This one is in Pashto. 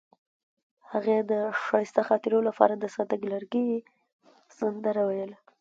هغې د ښایسته خاطرو لپاره د صادق لرګی سندره ویله.